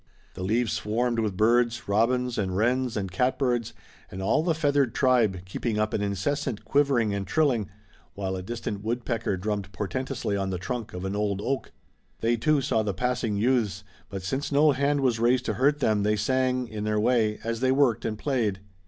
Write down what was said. The leaves swarmed with birds, robins and wrens and catbirds and all the feathered tribe keeping up an incessant quivering and trilling, while a distant woodpecker drummed portentously on the trunk of an old oak. They too saw the passing youths, but since no hand was raised to hurt them they sang, in their way, as they worked and played.